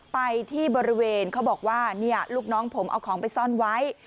ไปที่บริเวณเขาบอกว่าลูกน้องผมเอาของไปซ่อนไว้